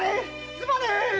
すまねえ‼